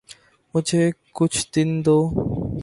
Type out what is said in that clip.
مجھے کچھ دن دو۔